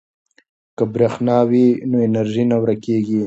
که برښنا وي نو انرژي نه ورکیږي.